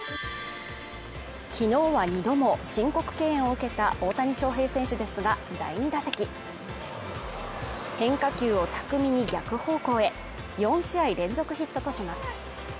昨日は２度も申告敬遠を受けた大谷翔平選手ですが第２打席変化球を巧みに逆方向へ４試合連続ヒットとします